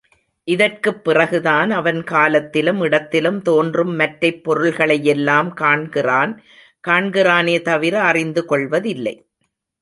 இதற்குப் பிறகுதான் அவன் காலத்திலும் இடத்திலும் தோன்றும் மற்றைப் பொருள்களை யெல்லாம் காண்கிறான் காண்கிறானே தவிர, அறிந்துகொள்வதில்லை.